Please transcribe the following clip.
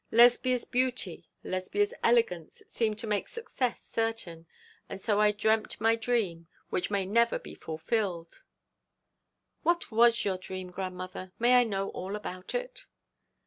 Lesbia's beauty, Lesbia's elegance seemed to make success certain and so I dreamt my dream which may never be fulfilled.' 'What was your dream, grandmother? May I know all about it?'